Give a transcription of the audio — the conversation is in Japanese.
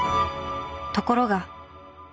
ところが。